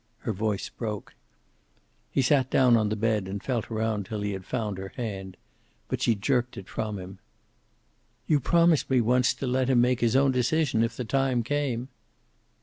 Her voice broke. He sat down on the bed and felt around until he found her hand. But she jerked it from him. "You promised me once to let him make his own decision if the time came."